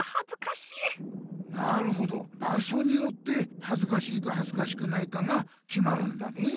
なるほど場所によってはずかしいかはずかしくないかがきまるんだね。